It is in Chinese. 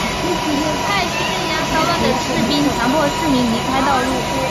派去镇压骚乱的士兵强迫市民离开道路。